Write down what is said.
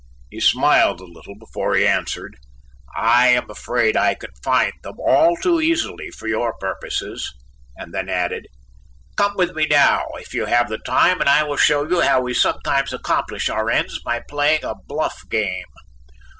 He smiled a little before he answered. "I am afraid I can find them all too easily for your purposes"; and then added, "come with me now if you have the time and I will show you how we sometimes accomplish our ends by playing a bluff game."